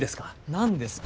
何ですか？